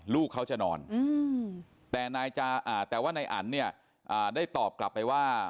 ลูกเขาจะนอนแต่ว่านายอันเนี่ยได้ตอบกลับไปว่า